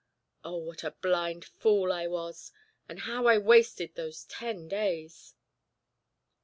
Oh, what a blind fool I was, and how I wasted those ten days!"